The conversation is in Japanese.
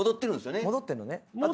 戻ってんのね？